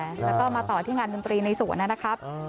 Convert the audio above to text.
แล้วก็มาต่อที่งานดนตรีในสวนนะครับ